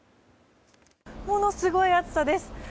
ものすごい暑さです。